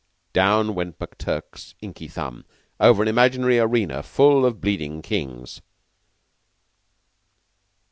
Down went McTurk's inky thumb over an imaginary arena full of bleeding Kings.